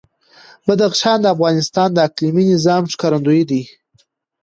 بدخشان د افغانستان د اقلیمي نظام ښکارندوی ده.